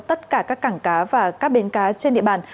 tất cả các cảng cá và các bến cá trên địa bàn